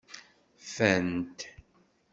Fant.